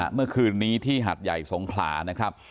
เมื่อคืนนี้ที่หัดใหญ่สงขลานะครับ